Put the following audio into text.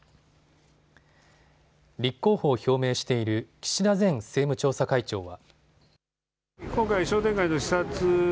立候補を表明している岸田前政務調査会長は。